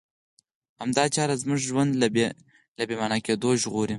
همدا چاره زموږ ژوند له بې مانا کېدو ژغوري.